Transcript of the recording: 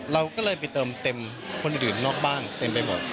เราก็เลยไปเติมเต็มคนอื่นนอกบ้านเต็มไปหมด